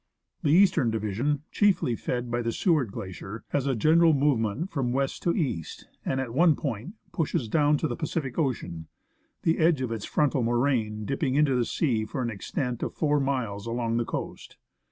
The eastern division, chiefly fed by the Seward Glacier, has a general movement from west to east, and, at one point, pushes down to the Pacific Ocean, the edge of its frontal moraine dipping into the sea for an extent of four miles along the coast.